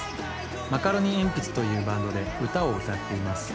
マカロニえんぴつというバンドで歌を歌っています。